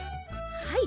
はい。